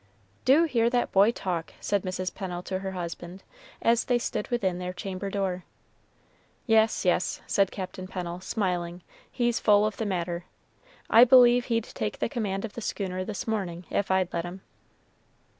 "Do hear that boy talk!" said Mrs. Pennel to her husband, as they stood within their chamber door. "Yes, yes," said Captain Pennel, smiling; "he's full of the matter. I believe he'd take the command of the schooner this morning, if I'd let him."